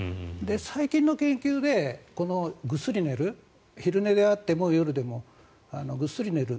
最近の研究でこのぐっすり寝る昼寝であっても夜でもぐっすり寝る